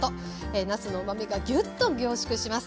なすのうまみがギュッと凝縮します。